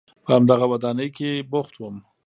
په همدغه ودانۍ کې بوخت وم.